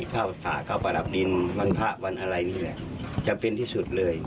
เข้าสระเข้าประดับดินวันพระวันอะไรนี่แหละจำเป็นที่สุดเลย